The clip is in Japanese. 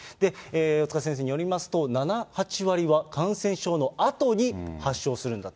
大塚先生によりますと、７、８割は感染症のあとに発症するんだと。